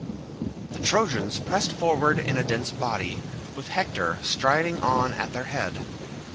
The Trojans pressed forward in a dense body, with Hector striding on at their head.